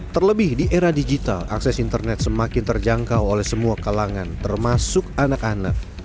terlebih di era digital akses internet semakin terjangkau oleh semua kalangan termasuk anak anak